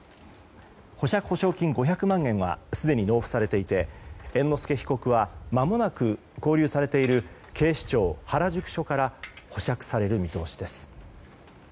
保釈保証金５００万円はすでに納付されていて猿之助被告はまもなく勾留されている警視庁原宿署から保釈される見通しです。